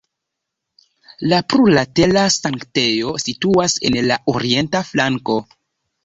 La plurlatera sanktejo situas en la orienta flanko.